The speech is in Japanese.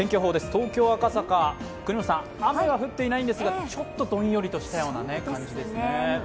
東京・赤坂、雨は降っていないんですが、ちょっとどんよりとしたような感じですね。